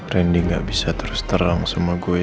randy gak bisa terus terang sama gue